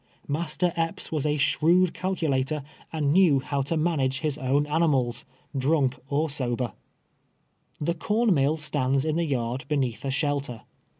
Master Epps was a shrewd cal culator, and knew how to manage his own animals, drank or sober. The corn mill stands in the yard beneath a shelter.